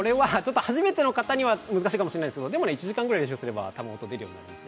初めての方には難しいかもしれませんが、１時間くらい練習すれば、多分、音出るようになります。